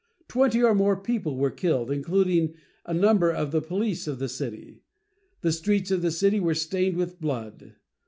Twenty or more people were killed, including a number of the police of the city. The streets of the city were stained with blood.